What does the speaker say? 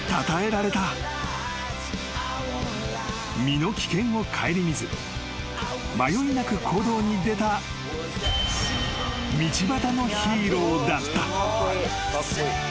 ［身の危険を顧みず迷いなく行動に出た道端のヒーローだった］